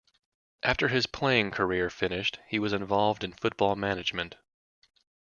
After his playing career finished, he was involved in football management.